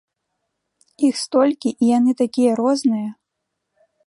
Іх столькі, і яны такія розныя!